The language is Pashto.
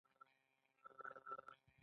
دوی د وسایلو په جوړولو لاس پورې کړ.